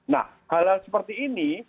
nah hal hal seperti ini